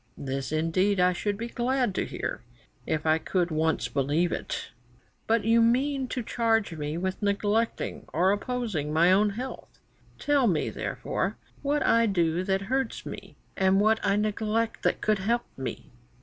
This indeed I should be glad to hear if I could once believe it. But you mean to charge me with neglecting or opposing my own health. Tell me, therefore, what I do that hurts me, and what I neglect that would help me."